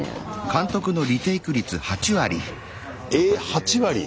えっ８割⁉